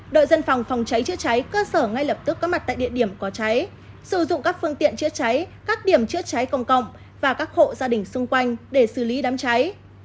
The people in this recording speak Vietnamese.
đội dân phòng phòng cháy chữa cháy cơ sở ngay lập tức có mặt tại địa điểm có cháy sử dụng các phương tiện chữa cháy các điểm chữa cháy công cộng và các hộ gia đình xung quanh để xử lý đám cháy